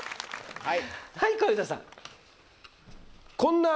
はい。